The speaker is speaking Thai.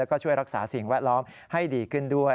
แล้วก็ช่วยรักษาสิ่งแวดล้อมให้ดีขึ้นด้วย